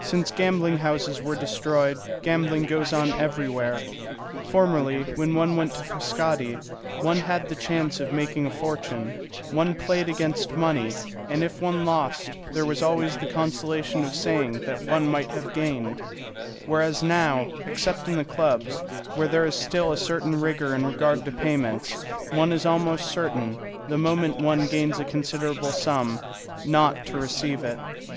Since gambling houses were destroyed gambling goes on everywhere. Formerly, when one went to Frascati, one had the chance of making a fortune; one played against money, and if one lost, there was always the consolation of saying that one might have gained; whereas now, except in the clubs, where there is still a certain rigour in regard to payments, one is almost certain, the moment one gains a considerable sum, not to receive it.